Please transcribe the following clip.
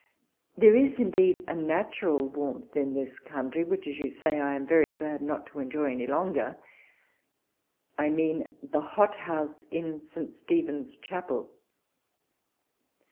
walpole's letters. 137 There is indeed a natural warmth in this country, which, as you say, I am very glad not to enjoy any longer ; I mean the hot house in St. Stephen's chapel.